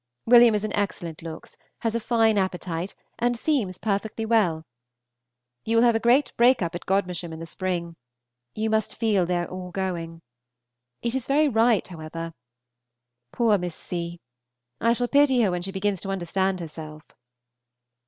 Wm. is in excellent looks, has a fine appetite, and seems perfectly well. You will have a great break up at Godmersham in the spring. You must feel their all going. It is very right, however! Poor Miss C.! I shall pity her when she begins to understand herself.